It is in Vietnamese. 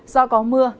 do có mưa